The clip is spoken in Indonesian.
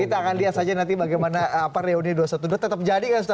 kita akan lihat saja nanti bagaimana reuni dua ratus dua belas tetap jadi kan